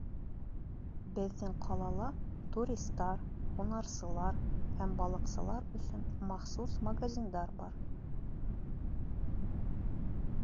Беҙҙең ҡалала туристар, һунарсылар һәм балыҡсылар өсөн махсус магазиндар бар.